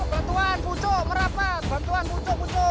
bantuan pucuk merapat bantuan pucuk pucuk